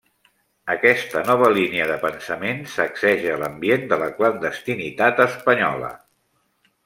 Aquesta nova línia de pensament sacseja l'ambient de la clandestinitat espanyola.